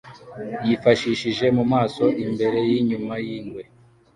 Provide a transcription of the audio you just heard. yifashishije mumaso imbere yinyuma yingwe.